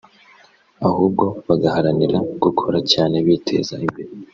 ahubwo bagaharanira gukora cyane biteza imbere